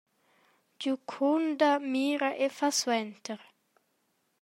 Giucunda mira e fa suenter.